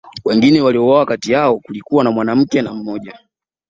wengine waliouawa kati yao kulikuwa na mwanamke na mmoja